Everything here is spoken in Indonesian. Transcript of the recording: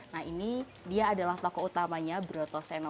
nah ini dia adalah tokoh utamanya broto seno